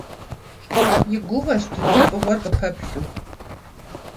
И гугъэщ дуней фӏыгъуэр къыпэплъэу…